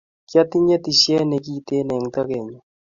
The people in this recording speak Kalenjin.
Kiatinye tisie ne kinte eng' tokenyu